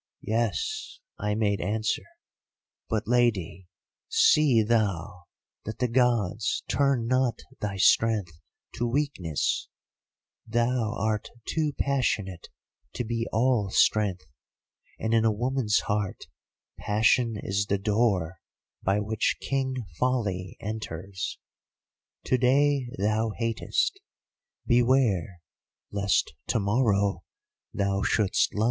"'Yes,' I made answer, 'but, Lady, see thou that the Gods turn not thy strength to weakness; thou art too passionate to be all strength, and in a woman's heart passion is the door by which King Folly enters. To day thou hatest, beware, lest to morrow thou should'st love.